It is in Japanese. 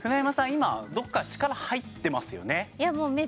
今どっか力入ってますよね